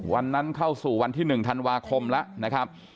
วันนั้นเข้าสู่วันที่๑ธันวาคมแล้วนะครับ